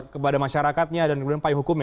kepada masyarakatnya dan kemudian payung hukumnya